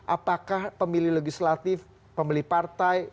apakah pemilih legislatif pemilih partai